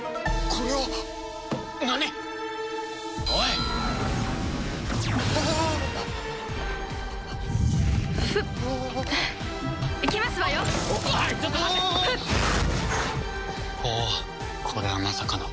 これはまさかの。